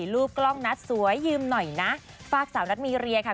รูปกล้องนัดสวยยืมหน่อยนะฝากสาวนัทมีเรียค่ะ